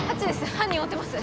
犯人追ってます